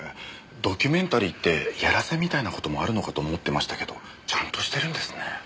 ドキュメンタリーってやらせみたいな事もあるのかと思ってましたけどちゃんとしてるんですね。